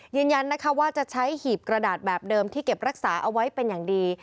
ยืนยันนะคะว่าจะใช้หีบกระดาษแบบเดิมที่เก็บรักษาเอาไว้เป็นอย่างดี